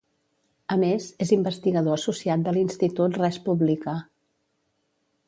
A més, és investigador associat de l'Institut Res Publica.